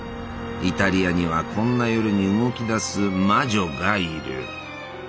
イタリアにはこんな夜に動き出す魔女がいる。